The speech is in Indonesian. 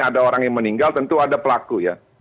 ada orang yang meninggal tentu ada pelaku ya